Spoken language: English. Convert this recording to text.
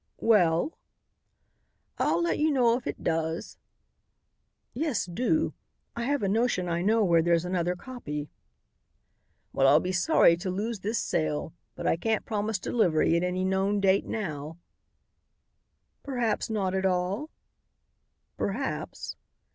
"Well?" "I'll let you know if it does." "Yes, do. I have a notion I know where there's another copy." "Well, I'll be sorry to lose the sale, but I can't promise delivery at any known date now." "Perhaps not at all?" "Perhaps."